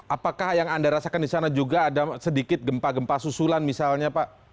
apakah yang anda rasakan di sana juga ada sedikit gempa gempa susulan misalnya pak